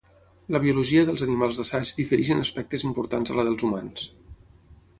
La biologia dels animals d'assaig difereix en aspectes importants a la dels humans.